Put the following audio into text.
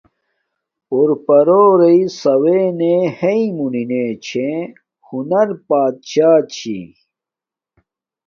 پور پارو ریݵے ساونݣے ہیݵ مونی نے چھے ،ہنز بات شاہ